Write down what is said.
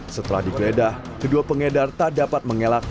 setelah digeledah kedua pengedar tak dapat mengelak